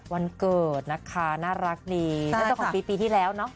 วันเกิดนะคะน่ารักดีน่าจะของปีปีที่แล้วเนอะ